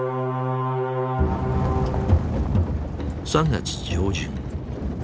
３月上旬。